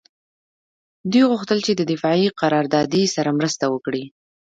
دوی غوښتل چې د دفاعي قراردادي سره مرسته وکړي